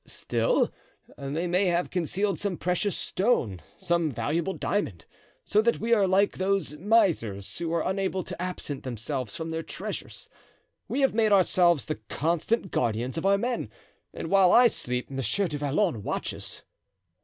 Still, they may have concealed some precious stone, some valuable diamond; so that we are like those misers who are unable to absent themselves from their treasures. We have made ourselves the constant guardians of our men, and while I sleep Monsieur du Vallon watches."